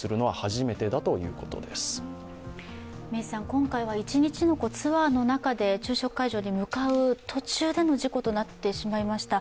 今回は一日のツアーの中で昼食会場に向かう途中での事故となってしまいました。